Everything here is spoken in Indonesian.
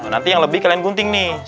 nanti yang lebih kalian gunting nih